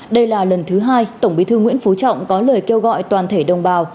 đây là lần thứ hai tổng bí thư nguyễn phú trọng có lời kêu gọi toàn thể đồng bào